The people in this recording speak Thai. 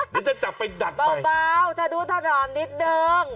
เดี๋ยวจะจับไปดัดไปเปล่าถ้าดูถนนนิดเดิม